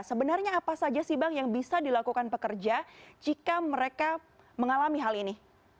sebenarnya apa saja sih bang yang bisa dilakukan pekerja jika mereka mengalami hal ini